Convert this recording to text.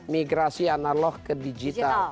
migrasi analog ke digital